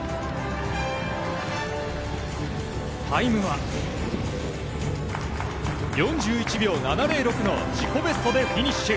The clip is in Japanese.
タイムは、４１秒７０６の自己ベストでフィニッシュ。